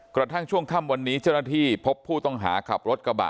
กระทั่งช่วงค่ำวันนี้เจ้าหน้าที่พบผู้ต้องหาขับรถกระบะ